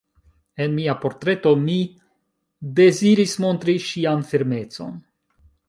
En mia portreto mi deziris montri ŝian firmecon.